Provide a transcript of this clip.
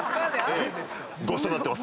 ごちそうになってます。